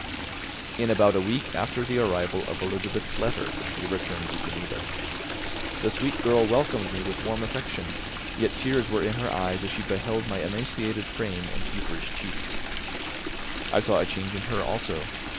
In about a week after the arrival of Elizabeth's letter we returned to Geneva. The sweet girl welcomed me with warm affection, yet tears were in her eyes as she beheld my emaciated frame and feverish cheeks. I saw a change in her also.